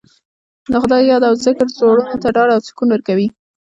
د خدای یاد او ذکر زړونو ته ډاډ او سکون ورکوي.